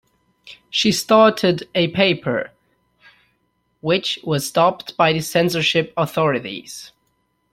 She started a paper, which was stopped by the censorship authorities.